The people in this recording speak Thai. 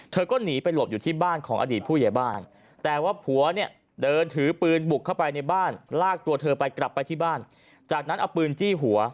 เธอก็หนีไปหลบอยู่ที่บ้านของอดีตผู้ใหญ่บ้านแต่ว่าผัวเนี่ยเดินถือปืนบุกเข้าไปในบ้านลากตัวเธอไปกลับไปที่บ้านจากนั้นเอาปืนจี้หัว